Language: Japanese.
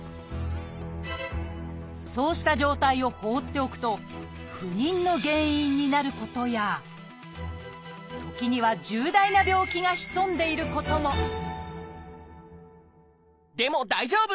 そうした状態を放っておくと不妊の原因になることや時には重大な病気が潜んでいることもでも大丈夫！